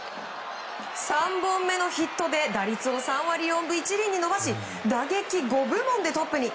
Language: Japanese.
３本目のヒットで打率を３割４分１厘に伸ばし打撃５部門でトップに。